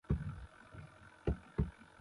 اکو مجیْ پُھس پُھش نہ تِھیا۔